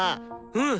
うん！